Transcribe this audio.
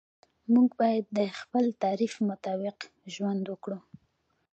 موږ باید د خپل تعریف مطابق ژوند وکړو.